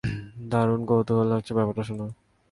দারুণ কৌতুহল লাগছে ব্যাপারটা শুনে!